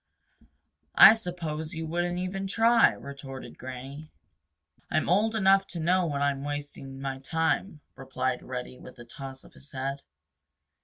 "I suppose you wouldn't even try?" retorted Granny. "I'm old enough to know when I'm wasting my time," replied Reddy with a toss of his head.